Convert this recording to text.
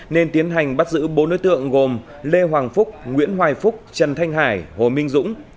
nên tiến hành bắt giữ bốn đối tượng gồm lê hoàng phúc nguyễn hoài phúc trần thanh hải hồ minh dũng